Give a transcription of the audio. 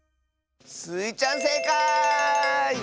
スイちゃんせいかい！